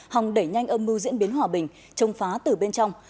hòng đẩy nhanh âm mưu diễn biến hòa bình trông phá từ bên trong